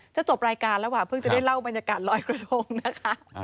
จบรายการแล้วอ่ะเพิ่งจะได้เล่าบรรยากาศลอยกระทงนะคะ